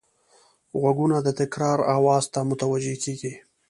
غوږونه د تکرار آواز ته متوجه کېږي